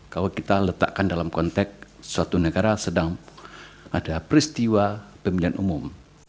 kalau kita letakkan dalam konteks suatu negara sedang ada peristiwa pemilihan umum